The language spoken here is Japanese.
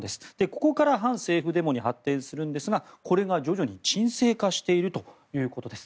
ここから反政府デモに発展するんですが、これが徐々に沈静化しているということです。